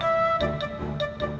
kamu mau ke rumah